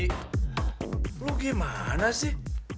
iq lu gimana sih